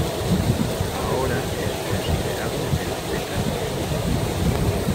Ahora es considerado el "Poeta de Yemen".